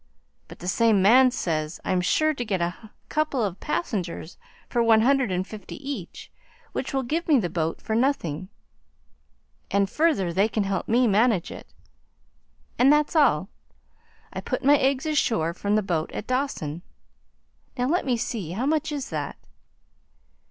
But the same man says I'm sure to get a couple of passengers for one hundred and fifty each, which will give me the boat for nothing, and, further, they can help me manage it. And ... that's all; I put my eggs ashore from the boat at Dawson. Now let me see how much is that?"